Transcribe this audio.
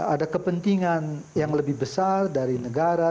ada kepentingan yang lebih besar dari negara